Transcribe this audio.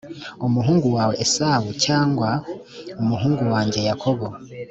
umuhungu wanjye esawu cyangwa umuhungu wanjye yakobo